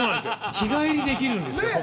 日帰りできるんですよ、ここ。